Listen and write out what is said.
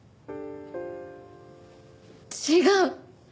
違う！